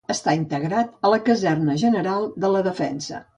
Està integrat a la Caserna General de la Defensa.